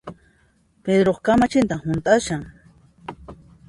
Pedroqa kamachintan hunt'ashan